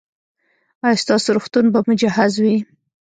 ایا ستاسو روغتون به مجهز وي؟